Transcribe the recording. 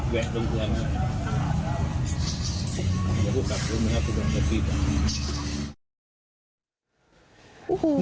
เดี๋ยวพูดกับตัวเมืองเฮลฟิล์ก่อน